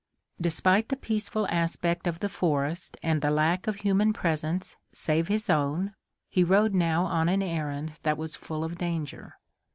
Despite the peaceful aspect of the forest and the lack of human presence save his own, he rode now on an errand that was full of danger.